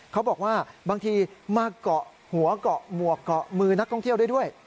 เขาบอกว่าบางทีมาเกาะหัวเกาะหมวกเกาะมือนักท่องเที่ยวได้ด้วย